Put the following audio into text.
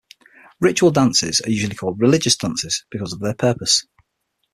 Ritual dances are usually called "Religious dances" because of their purpose.